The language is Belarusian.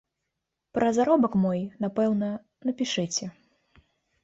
Пра заробак мой, напэўна, напішыце.